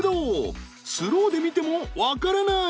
スローで見ても分からない！